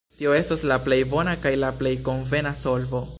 Tio estos la plej bona kaj la plej konvena solvo.